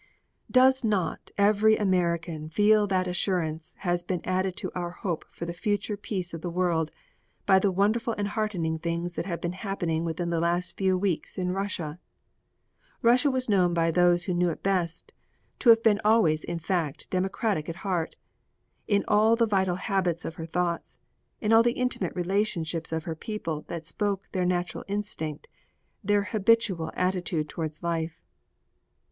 Does not every American feel that assurance has been added to our hope for the future peace of the world by the wonderful and heartening things that have been happening within the last few weeks in Russia? Russia was known by those who knew it best to have been always in fact democratic at heart, in all the vital habits of her thoughts, in all the intimate relationships of her people that spoke their natural instinct, their habitual attitude towards life.